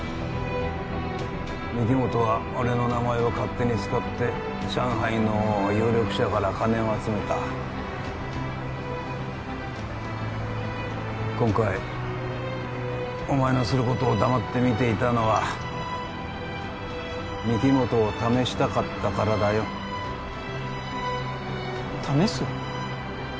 御木本は俺の名前を勝手に使って上海の有力者から金を集めた今回お前のすることを黙って見ていたのは御木本を試したかったからだよ試す？